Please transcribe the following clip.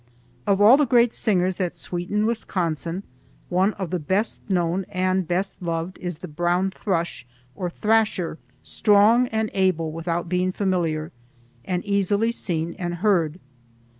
Of all the great singers that sweeten Wisconsin one of the best known and best loved is the brown thrush or thrasher, strong and able without being familiar, and easily seen and heard.